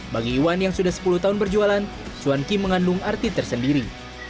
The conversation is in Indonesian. bagi iwan yang sudah sepuluh tahun berjualan cuan ki mengandung arti tersendiri